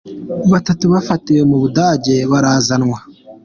Batatu bafatiwe mu Budage barazanwa